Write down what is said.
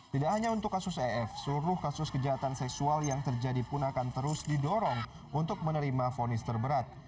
tidak hanya untuk kasus ef seluruh kasus kejahatan seksual yang terjadi pun akan terus didorong untuk menerima fonis terberat